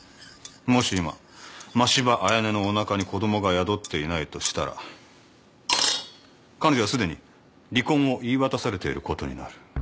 もし今真柴綾音のおなかに子供が宿っていないとしたら彼女はすでに離婚を言い渡されていることになる。